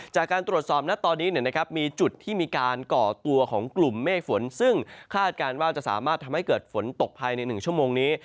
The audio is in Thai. จากการตรวจสอบณตอนนี้มีจุดที่มีการก่อตัวของกลุ่มเมฆฝนซึ่งคาดการณ์ว่าจะสามารถทำให้เกิดฝนตกภายใน๑ชั่วโมงนี้